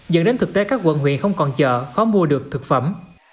dẫn đến thực tế các quận huyện không còn chợ khó mua được thực phẩm